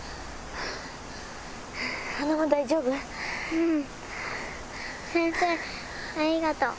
うん。